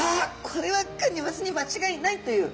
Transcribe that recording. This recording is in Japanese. これはクニマスに間違いないという。